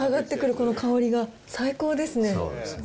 この香りが、最高ですね。